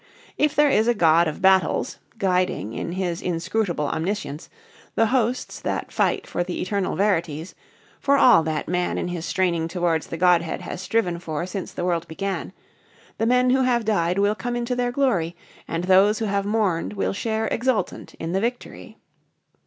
If there is a God of Battles, guiding, in His inscrutable omniscience, the hosts that fight for the eternal verities for all that man in his straining towards the Godhead has striven for since the world began the men who have died will come into their glory, and those who have mourned will share exultant in the victory.